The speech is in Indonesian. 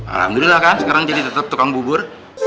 alhamdulillah kan sekarang jadi tetap tukang bubur